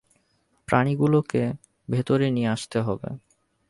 প্রাণীগুলোকে ভেতরে নিয়ে আসতে হবে।